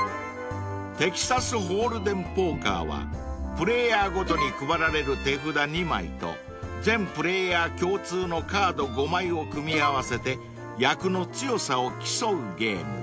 ［テキサスホールデムポーカーはプレーヤーごとに配られる手札２枚と全プレーヤー共通のカード５枚を組み合わせて役の強さを競うゲーム］